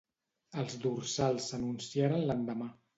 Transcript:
Els dorsals s'anunciaren l'endemà.